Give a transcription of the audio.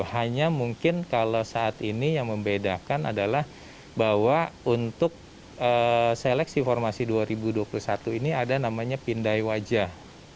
hanya mungkin kalau saat ini yang membedakan adalah bahwa untuk seleksi formasi dua ribu dua puluh satu ini ada namanya pindai wajah